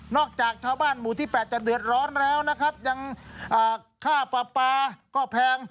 จากชาวบ้านหมู่ที่๘จะเดือดร้อนแล้วนะครับยังค่าปลาปลาก็แพง